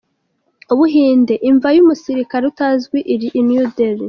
U Buhinde: Imva y’Umusirikare Utazwi iri New Dehli.